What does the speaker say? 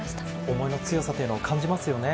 思いの強さというのを感じますよね。